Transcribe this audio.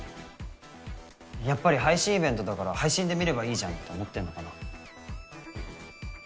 やっぱり配信イベントだから配信で見ればいいじゃんって思ってんのかな。